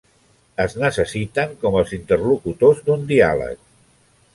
Es necessiten com els interlocutors d'un diàleg.